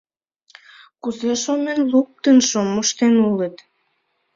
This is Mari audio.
Кузе шонен луктынжо моштен улыт?